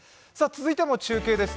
続いても中継です。